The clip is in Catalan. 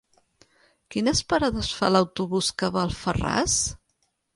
Quines parades fa l'autobús que va a Alfarràs?